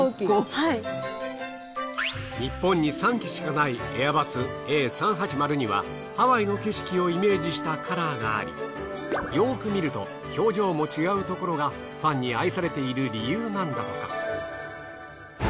日本に３機しかないエアバスＡ３８０にはハワイの景色をイメージしたカラーがありよく見ると表情も違うところがファンに愛されている理由なんだとか。